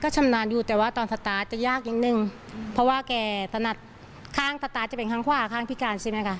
จะเป็นข้างขวาข้างพิการใช่ไหมคะ